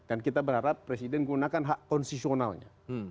dan kita berharap presiden gunakan hak konsisionalnya